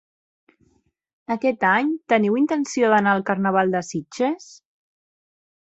Aquest any teniu intenció d'anar al Carnaval de Sitges?